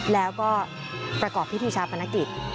แล้วก็ประกอบพิธีชาปนกิจ